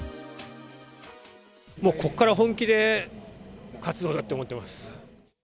もうここから本気で活動だって思ってます。